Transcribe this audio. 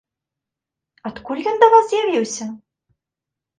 Адкуль ён да вас з'явіўся?